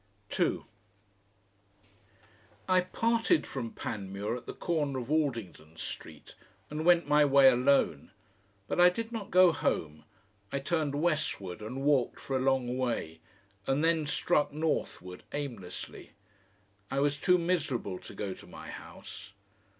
2 I parted from Panmure at the corner of Aldington Street, and went my way alone. But I did not go home, I turned westward and walked for a long way, and then struck northward aimlessly. I was too miserable to go to my house.